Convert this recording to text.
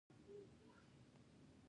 زموږ کار کولو د ده پر ذهنيت پايله ورکړه.